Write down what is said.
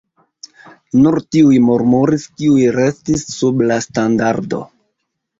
Nur tiuj murmuris, kiuj restis sub la standardo.